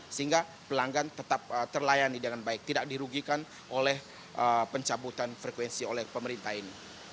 sehingga pelanggan tetap terlayani dengan baik tidak dirugikan oleh pencabutan frekuensi oleh pemerintah ini